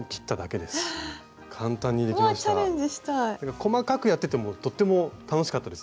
細かくやっててもとっても楽しかったです。